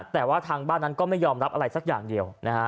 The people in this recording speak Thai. แต่ว่าทางบ้านนั้นก็ไม่ยอมรับอะไรสักอย่างเดียว